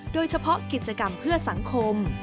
โดยเฉพาะกิจกรรมเพื่อสังคม